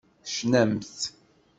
Tecnamt.